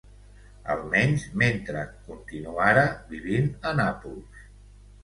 Almenys mentre continuara vivint a Nàpols.